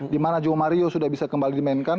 di mana jo mario sudah bisa kembali dimainkan